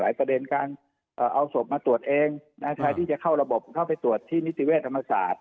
ประเด็นการเอาศพมาตรวจเองแทนที่จะเข้าระบบเข้าไปตรวจที่นิติเวศธรรมศาสตร์